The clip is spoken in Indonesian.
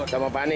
sama pak nis